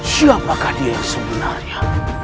siapakah dia yang sebenarnya